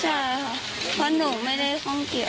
ใช่ค่ะเพราะหนูไม่ได้ข้องเกี่ยว